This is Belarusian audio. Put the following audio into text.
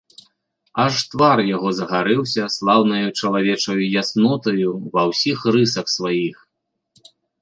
Аж твар яго загарэўся слаўнаю чалавечаю яснотаю ва ўсіх рысах сваіх.